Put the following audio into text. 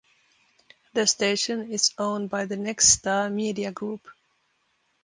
The station is owned by the Nexstar Media Group.